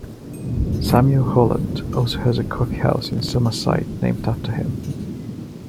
Samuel Holland also has a coffee house in Summerside named after him.